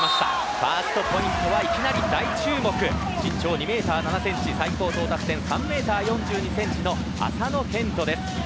ファーストポイントはいきなり大注目身長２メートル７センチ最高到達点３メートル４２センチの麻野堅斗です。